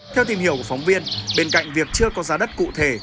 theo tìm hiểu của phóng viên bên cạnh việc chưa có giá đất cụ thể